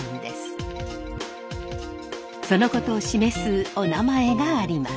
そのことを示すおなまえがあります。